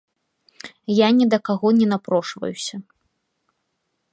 Я ні да каго не напрошваюся.